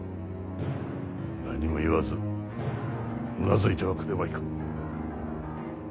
何も言わずうなずいてはくれまいか。